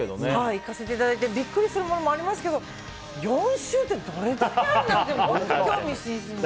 行かせていただいてビックリするものもありますけど４周ってどれだけあるんだって興味津々。